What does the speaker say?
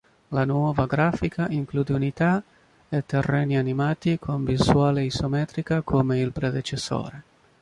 La nuova grafica include unità e terreni animati, con visuale isometrica come il predecessore.